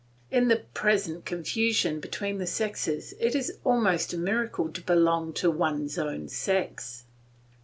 In the present confusion between the sexes it is almost a miracle to belong to one's own sex.